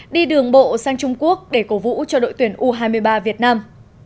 đi đường bộ sang trung quốc để cổ vũ cho đội tuyển u hai mươi ba việt nam